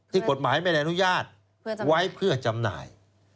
กฎหมายไม่ได้อนุญาตไว้เพื่อจำหน่าย